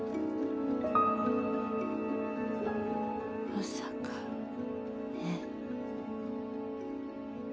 まさかね。